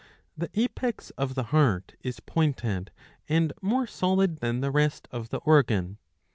The apex of the heart is pointed and more solid than the rest of the organ.